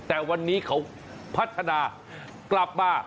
แต่วันนี้เขาพัฒนากลับมา